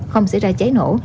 không xảy ra cháy nổ